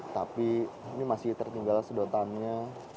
tapi ini masih tertinggal sedotannya